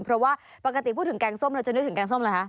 เพราะว่าปกติพูดถึงแกงส้มเราจะนึกถึงแกงส้มเหรอคะ